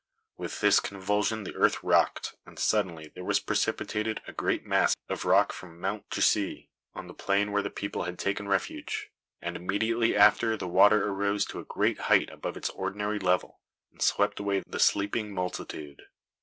With this convulsion the earth rocked, and suddenly there was precipitated a great mass of rock from Mount Jaci on the plain where the people had taken refuge; and immediately after the water arose to a great height above its ordinary level and swept away the sleeping multitude.